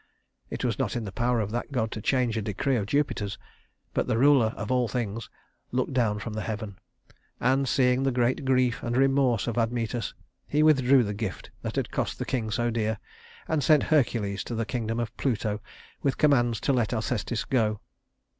It was not in the power of that god to change a decree of Jupiter's; but the Ruler of all things looked down from heaven, and, seeing the great grief and remorse of Admetus, he withdrew the gift that had cost the king so dear, and sent Hercules to the kingdom of Pluto with commands to let Alcestis go.